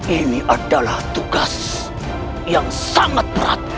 ini adalah tugas yang sangat berat